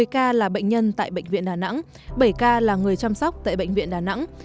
một mươi ca là bệnh nhân tại bệnh viện đà nẵng bảy ca là người chăm sóc tại bệnh viện đà nẵng